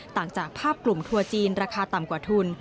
ต่างจากภาพกลุ่มทัวร์จีนราคาต่ำกว่าทุน